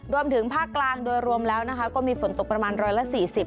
รวมถึงภาคกลางโดยรวมแล้วนะคะก็มีฝนตกประมาณ๑๔๐